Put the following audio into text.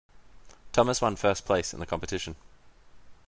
Thomas one first place in the competition.